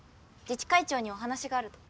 自治会長にお話があると。